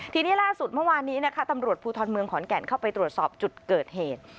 ทีนี้ล่าสุดเมื่อวานนี้นะคะตำรวจภูทรเมืองขอนแก่นเข้าไปตรวจสอบจุดเกิดเหตุ